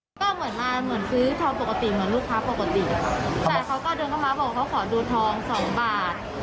ก็เหมือนมาเหมือนซื้อทองปกติเหมือนลูกค้าปกติแต่เขาก็เดินเข้ามาบอกเขาขอดูทองสองบาท